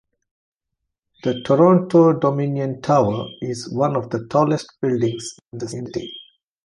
The Toronto Dominion Tower is one of the tallest buildings in the city.